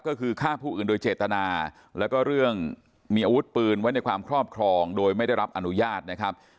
ก็คือฆ่าผู้อื่นโดยเจตนาแล้วก็เรื่องมีอาวุธปืนไว้ในความครอบครองโดยไม่ได้รับอนุญาตนะครับ